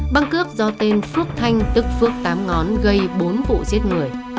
băng cướp do tên phước thanh tức phước tám ngón gây bốn vụ giết người